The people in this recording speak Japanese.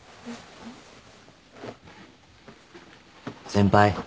先輩。